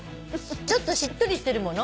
ちょっとしっとりしてるもの。